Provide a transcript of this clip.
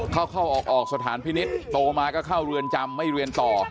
เข้าเข้าออกสถานพินิษฐ์โตมาก็เข้าเรือนจำไม่เรียนต่อ